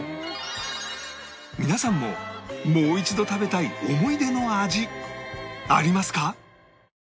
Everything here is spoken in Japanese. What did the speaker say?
皆さんももう一度食べたい思い出の味ありますか？